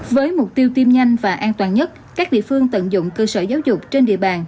với mục tiêu tiêm nhanh và an toàn nhất các địa phương tận dụng cơ sở giáo dục trên địa bàn